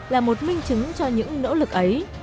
là một minh chứng cho những nỗ lực ấy